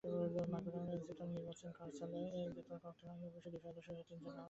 মাগুরায় নির্বাচন কার্যালয়ে ককটেল হামলায় পুলিশের দুই সদস্যসহ তিনজন আহত হয়েছেন।